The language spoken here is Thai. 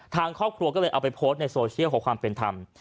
ทางครอบครัวก็เลยเอาไปโพสต์ในโซเชียลขอความเป็นธรรม